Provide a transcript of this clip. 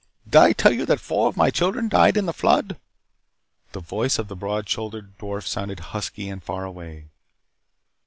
Did I tell you that four of my children died in the flood?" The voice of the broad shouldered dwarf sounded husky and far away.